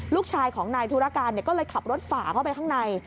ลูกชายของนายธุรการก็เลยขับรถฝ่าเข้าไปข้างใน